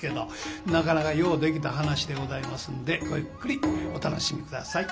なかなかようできた噺でございますんでごゆっくりお楽しみ下さい。